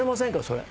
それ。